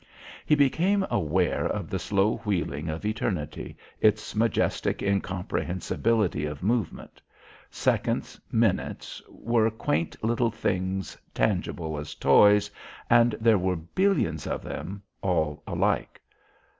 He became aware of the slow wheeling of eternity, its majestic incomprehensibility of movement. Seconds, minutes, were quaint little things, tangible as toys, and there were billions of them, all alike.